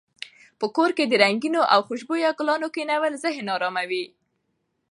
په کور کې د رنګینو او خوشبویه ګلانو کښېنول ذهن اراموي.